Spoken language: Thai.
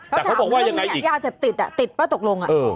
แต่เขาบอกว่ายังไงอีกแต่เขาถามเรื่องนี้ยาเสพติดติดแล้วตกลงอ่ะเออ